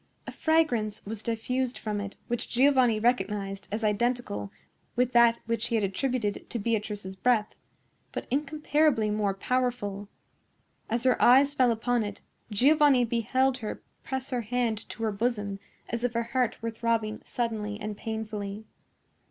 A fragrance was diffused from it which Giovanni recognized as identical with that which he had attributed to Beatrice's breath, but incomparably more powerful. As her eyes fell upon it, Giovanni beheld her press her hand to her bosom as if her heart were throbbing suddenly and painfully.